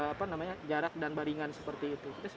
apa namanya jarak dan baringan seperti itu